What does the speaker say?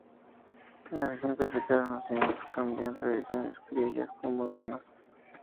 En la región capital, los nacimientos combinan tradiciones criollas con modernas.